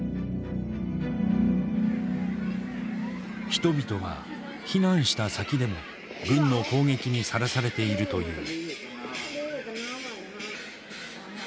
人々は避難した先でも軍の攻撃にさらされているという。